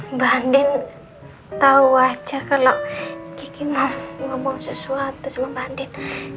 mbak andin tau aja kalau kiki mau ngomong sesuatu sama mbak andin